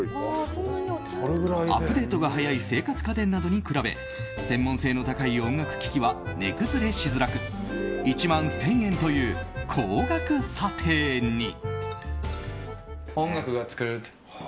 アップデートが早い生活家電などに比べ専門性の高い音楽機器は値崩れしづらく１万１０００円という高額査定に。